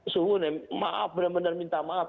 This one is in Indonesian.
sungguhnya maaf benar benar minta maaf